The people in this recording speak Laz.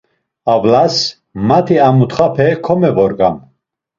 Avlas, mati a mutxape komevorgam.